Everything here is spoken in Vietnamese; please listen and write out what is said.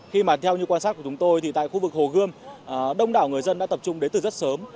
khi mà theo như quan sát của chúng tôi thì tại khu vực hồ gươm đông đảo người dân đã tập trung đến từ rất sớm